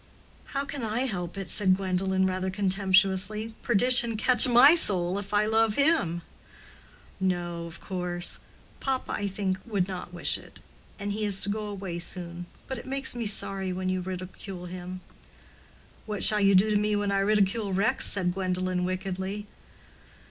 "How can I help it?" said Gwendolen, rather contemptuously. "Perdition catch my soul if I love him." "No, of course; papa, I think, would not wish it. And he is to go away soon. But it makes me sorry when you ridicule him." "What shall you do to me when I ridicule Rex?" said Gwendolen, wickedly.